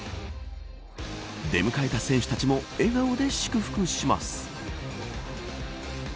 出迎えた選手たちも笑顔で祝福します。